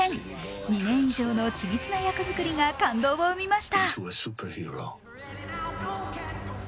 ２年以上の緻密な役作りが感動を生みました。